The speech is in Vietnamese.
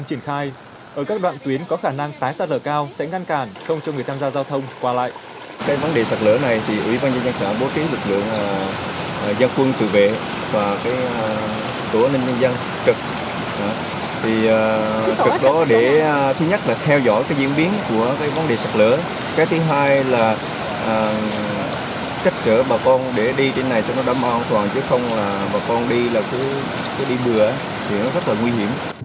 cái thứ hai là cách trở bà con để đi trên này cho nó đam an toàn chứ không là bà con đi là cứ đi bừa thì nó rất là nguy hiểm